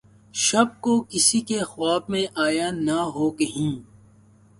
شب کو‘ کسی کے خواب میں آیا نہ ہو‘ کہیں!